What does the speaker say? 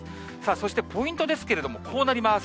そしてポイントですけれども、こうなります。